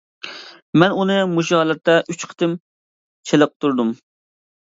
مەن ئۇنى مۇشۇ ھالەتتە ئۈچ قېتىم چېلىقتۇردۇم.